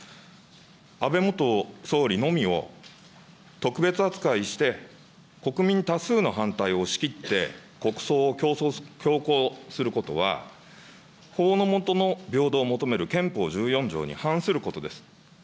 安倍元総理のみを特別扱いして、国民の多数の反対を押し切って、国葬を強行することは、法の下の平等を求める憲法１４条に反することです。